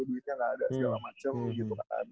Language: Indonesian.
duitnya gak ada segala macem gitu kan